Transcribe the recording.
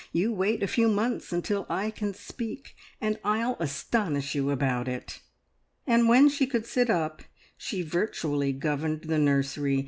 You wait a few months until I can speak, and I'll astonish you about it!" And when she could sit up she virtually governed the nursery.